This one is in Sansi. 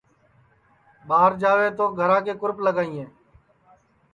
ٻار جاوے تو گھرا کُو کُرپ لگائیں